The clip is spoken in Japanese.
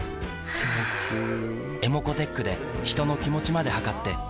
気持ちいい。